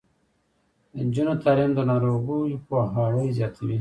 د نجونو تعلیم د ناروغیو پوهاوی زیاتوي.